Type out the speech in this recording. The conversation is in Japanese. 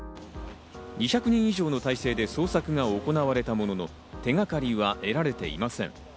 ２００人以上の態勢で捜索が行われたものの、手掛かりは得られていません。